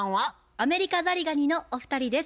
アメリカザリガニのお二人です。